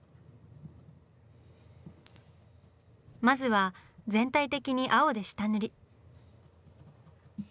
まずは全体的に青で下塗り。